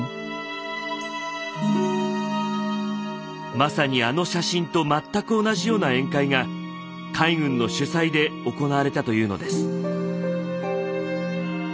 まさにあの写真と全く同じような宴会が海軍の主催で行われたというのです。